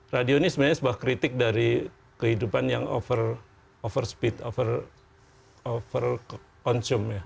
radio ini sebenarnya sebuah kritik dari kehidupan yang over speed over consum ya